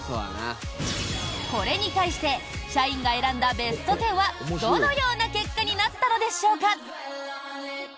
これに対して社員が選んだベスト１０はどのような結果になったのでしょうか？